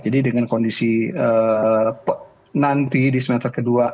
jadi dengan kondisi nanti di semester ke dua